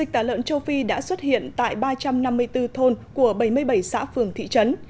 tà lợn châu phi đã xuất hiện tại ba trăm năm mươi bốn thôn của bảy mươi bảy xã phường thị trấn